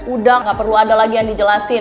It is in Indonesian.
udah gak perlu ada lagi yang dijelasin